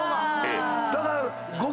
だから。